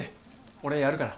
俺やるから。